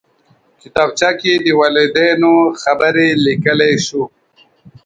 کتابچه کې د والدینو خبرې لیکلی شو